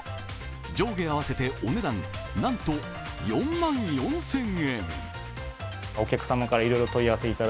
上下合わせてお値段なんと４万４０００円。